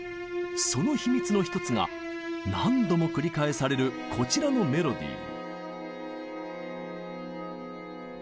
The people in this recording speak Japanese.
その秘密の１つが何度も繰り返されるこちらのメロディー。